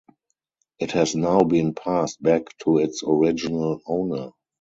It has now been passed back to its original owner.